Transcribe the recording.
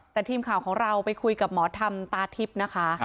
แต่ทีมข่าวของเราไปคุยกับหมอธรรมตาทิพย์นะคะ